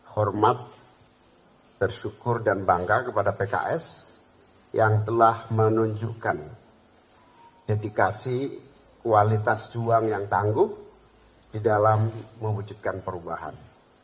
hormat bersyukur dan bangga kepada pks yang telah menunjukkan dedikasi kualitas juang yang tangguh di dalam mewujudkan perubahan